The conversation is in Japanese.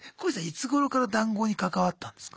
いつごろから談合に関わったんですか？